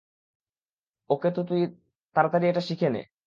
ওকে, তো তুই তাড়াতাড়ি এটা শিখে নে।